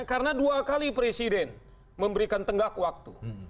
karena dua kali presiden memberikan tenggak waktu